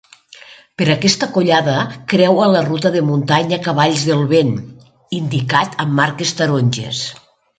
Per aquesta collada creua la ruta de muntanya Cavalls del vent, indicat amb marques taronges.